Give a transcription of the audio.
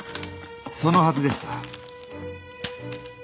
そのはずでした。